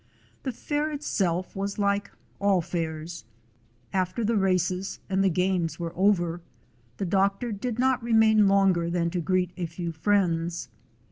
The fair itself was like all fairs. After the races and the games were over, the doctor did not remain longer than to greet a few friends.